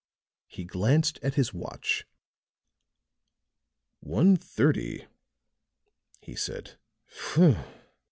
He glanced at his watch. "One thirty," he said. "Phew!